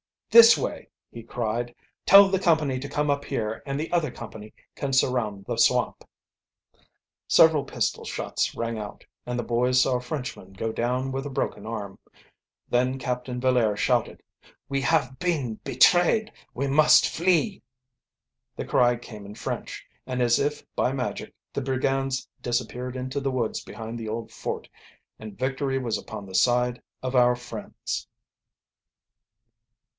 "This way!" he cried. "Tell the company to come up here and the other company can surround the swamp!" Several pistol shots rang out, and the boys saw a Frenchman go down with a broken arm. Then Captain Villaire shouted: "We have been betrayed we must flee!" The cry came in French, and as if by magic the brigands disappeared into the woods behind the old fort; and victory was upon the side of our friends.